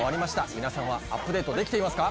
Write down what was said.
皆さんはアップデートできていますか？